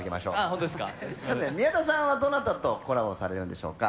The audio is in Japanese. ホントですかさて宮田さんはどなたとコラボされるんでしょうか？